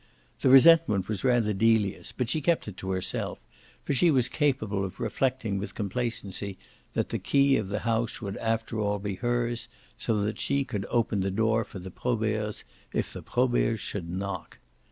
The resentment was rather Delia's, but she kept it to herself, for she was capable of reflecting with complacency that the key of the house would after all be hers, so that she could open the door for the Proberts if the Proberts should knock.